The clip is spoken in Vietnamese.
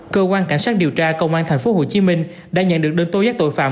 cơ quan cảnh sát điều tra công an tp hcm đã nhận được đơn tố giác tội phạm